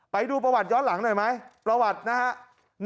ไปดูประวัติย้อนหลังหน่อยไหมประวัตินะฮะ